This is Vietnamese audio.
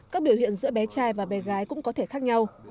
các biểu hiện giữa bé trai và bé gái cũng có thể khác nhau